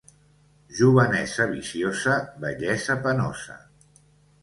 Jovenesa viciosa, vellesa penosa.